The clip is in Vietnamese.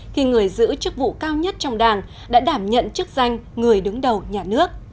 khi người giữ chức vụ cao nhất trong đảng đã đảm nhận chức danh người đứng đầu nhà nước